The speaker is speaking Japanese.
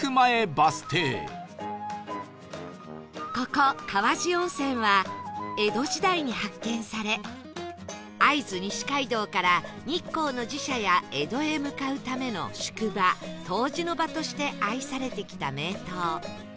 ここ川治温泉は江戸時代に発見され会津西街道から日光の寺社や江戸へ向かうための宿場湯治の場として愛されてきた名湯